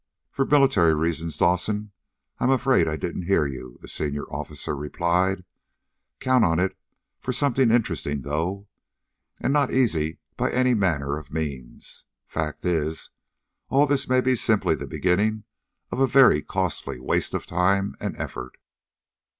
"For military reasons, Dawson, I'm afraid I didn't hear you," the senior officer replied. "Count on it for something interesting, though. And not easy by any manner of means. Fact is, all this may be simply the beginning of a very costly waste of time, and effort."